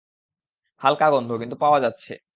হালকা গন্ধ, কিন্তু পাওয়া যাচ্ছে।